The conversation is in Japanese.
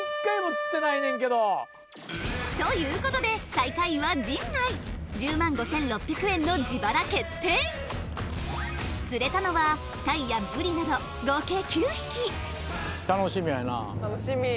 えっ！ということで最下位は陣内１０万５６００円の自腹決定釣れたのは合計９匹楽しみ。